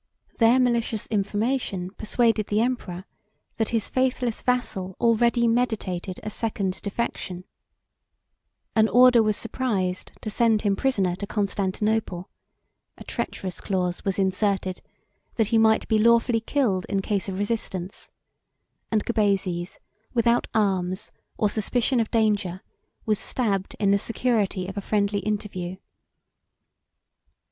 Their malicious information persuaded the emperor that his faithless vassal already meditated a second defection: an order was surprised to send him prisoner to Constantinople; a treacherous clause was inserted, that he might be lawfully killed in case of resistance; and Gubazes, without arms, or suspicion of danger, was stabbed in the security of a friendly interview.